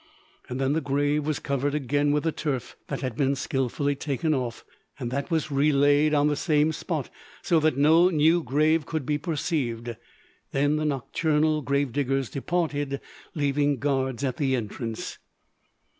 Then the grave was covered again with the turf, that had been skilfully taken off, and that was relaid on the same spat, so that no new grave could be perceived; then the nocturnal gravediggers departed, leaving guards at the entrance.